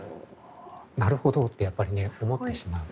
なるほどってやっぱりね思ってしまう。